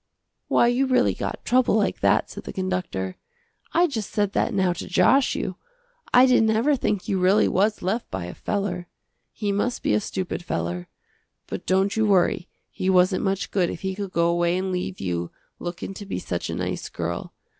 "Why you really got trouble like that," said the conductor, "I just said that now to josh you. I didn't ever think you really was left by a feller. He must be a stupid feller. But don't you worry, he wasn't much good if he could go away and leave you, lookin' to be such a nice girl.